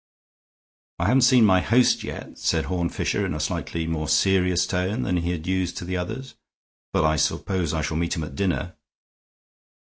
"I haven't seen my host yet," said Horne Fisher, in a slightly more serious tone than he had used to the others, "but I suppose I shall meet him at dinner."